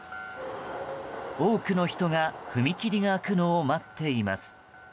多くの人が踏切が開くのを待っています。